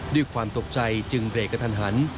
ด้วยความตกใจจึงเบรกกระทันหัน